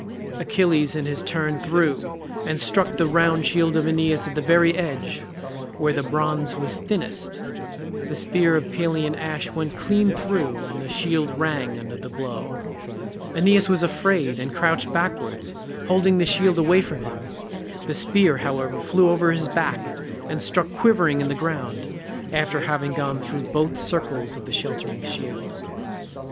Achilles in his turn threw, and struck the round shield of Aeneas at the very edge, where the bronze was thinnest; the spear of Pelian ash went clean through, and the shield rang under the blow; Aeneas was afraid, and crouched backwards, holding the shield away from him; the spear, however, flew over his back, and stuck quivering in the ground, after having gone through both circles of the sheltering shield.